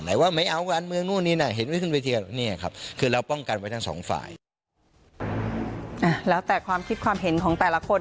ไหนว่าไม่เอากันเมืองนู่นนี่น่ะเห็นไว้ขึ้นเวทีอย่างนี้ครับ